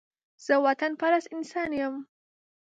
زه وطن پرست انسان يم